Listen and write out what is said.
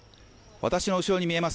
私の後ろに見えます